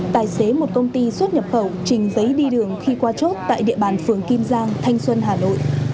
tài xế một công ty xuất nhập khẩu trình giấy đi đường khi qua chốt tại địa bàn phường kim giang thanh xuân hà nội